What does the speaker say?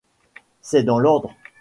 C’est dans l’ordre.